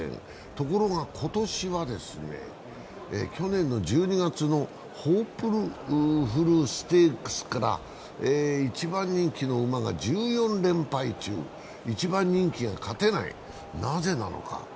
ところが今年は、去年の１２月のホープフルステークスから一番人気の馬が１４連敗中、一番人気が勝てない、なぜなのか。